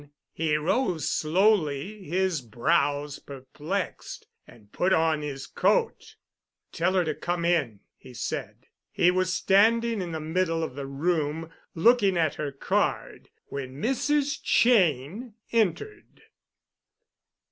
He rose slowly, his brows perplexed, and put on his coat. "Tell her to come in," he said. He was still standing in the middle of the room looking at her card when Mrs. Cheyne entered.